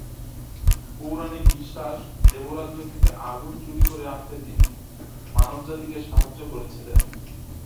পৌরাণিক বিশ্বাস, দেবরাজ্য থেকে আগুন চুরি করে আনতে তিনিই মানবজাতিকে সাহায্য করেছিলেন।